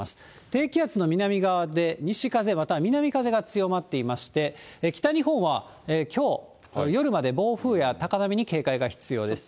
低気圧の南側で西風、または南風が強まっていまして、北日本はきょう夜まで暴風や高波に警戒が必要です。